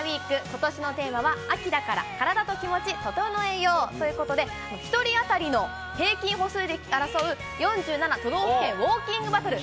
ＷＥＥＫ、ことしのテーマは秋だから、カラダとキモチ整えよう。ということで１人当たりの平均歩数で争う４７都道府県ウオーキングバトル。